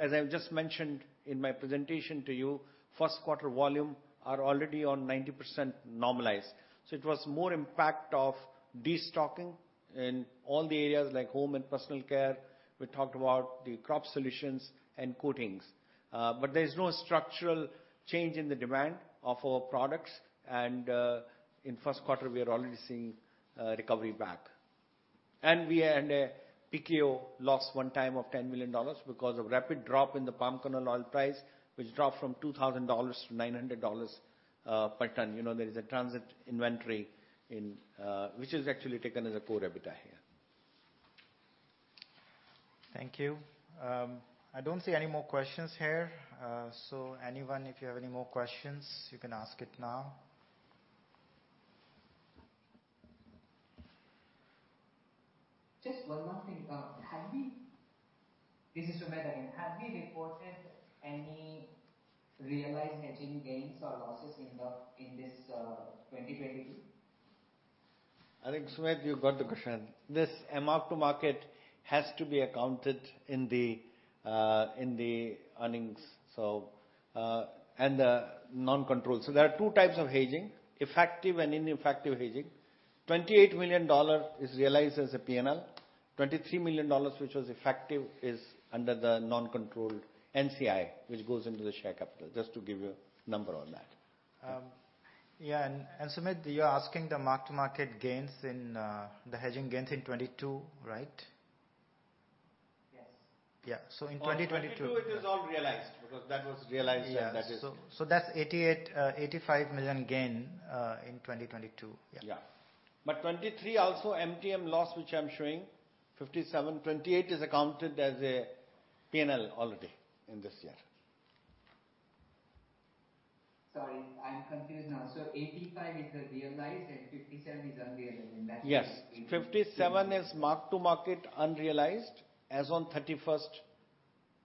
as I've just mentioned in my presentation to you, first quarter volume are already on 90% normalized. It was more impact of destocking in all the areas like home and personal care. We talked about the crop solutions and coatings. There is no structural change in the demand of our products, and in first quarter, we are already seeing recovery back. We had a PKO loss one time of $10 million because of rapid drop in the palm kernel oil price, which dropped from $2,000-$900 per ton. You know, there is a transit inventory in, which is actually taken as a core EBITDA here. Thank you. I don't see any more questions here. Anyone, if you have any more questions, you can ask it now. Just one more thing. This is Sumed again. Have we reported any realized hedging gains or losses in the, in this, 2022? I think, Sumedh, you got the question. This mark-to-market has to be accounted in the earnings. The non-control. There are two types of hedging: effective and ineffective hedging. $28 million is realized as a P&L. $23 million, which was effective, is under the non-controlled NCI, which goes into the share capital, just to give you a number on that. Yeah, Sumedh, you're asking the mark-to-market gains in the hedging gains in 2022, right? Yes. Yeah. in 2022 For 2022 it was all realized because that was realized. That's 88, $85 million gain, in 2022. Yeah. 2023 also MTM loss, which I'm showing, $57.28 is accounted as a P&L already in this year. Sorry, I'm confused now. 85 is the realized and 57 is unrealized. Yes. $57 is mark-to-market unrealized as on 31st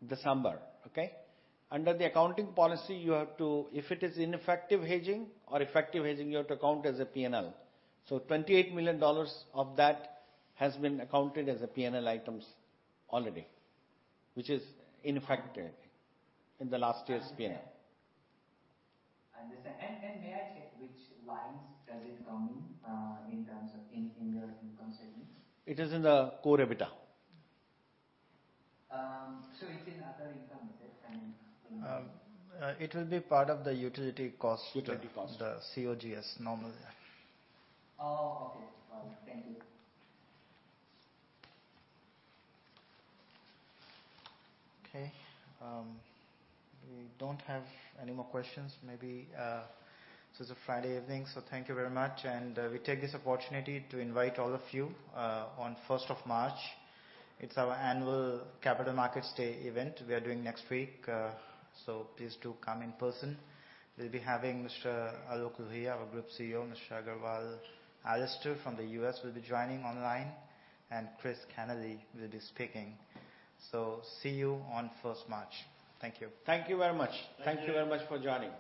December. Okay? Under the accounting policy, if it is ineffective hedging or effective hedging, you have to account as a P&L. $28 million of that has been accounted as P&L items already, which is ineffective in the last year's P&L. Understand. May I check which lines does it come in terms of in the income statement? It is in the core EBITDA. It's in other income, okay. It will be part of the utility cost. Utility cost the COGS normally. Oh, okay. Thank you. Okay. We don't have any more questions. Maybe, this is a Friday evening, thank you very much. We take this opportunity to invite all of you, on first of March. It's our annual Capital Markets Day event we are doing next week. Please do come in person. We'll be having Mr. Aloke Lohia, our Group CEO, Mr. Aggarwal. Alistair from the U.S. will be joining online, Chris Kenneally will be speaking. See you on first March. Thank you. Thank you very much. Thank you. Thank you very much for joining.